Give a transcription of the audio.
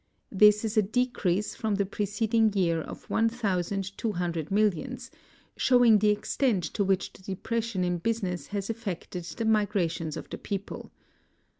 This is a decrease from the preceding year of 1,200 millions, showing the extent to which the depression in business has affected the migrations of the people.